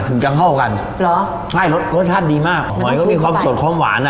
ถึงจังห้อกันหรอใช่รสชาติดีมากหอยก็มีคอมสดคอมหวานอ่ะ